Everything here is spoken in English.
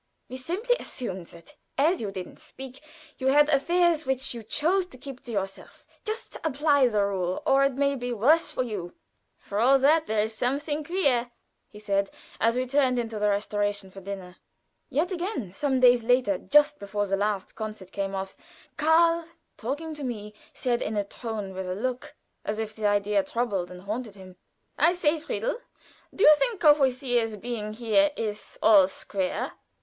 We simply assumed that as you didn't speak you had affairs which you chose to keep to yourself. Just apply the rule, or it may be worse for you." "For all that, there is something queer," he said, as we turned into the restauration for dinner. Yet again, some days later, just before the last concert came off, Karl, talking to me, said, in a tone and with a look as if the idea troubled and haunted him: "I say, Friedel, do you think Courvoisier's being here is all square?"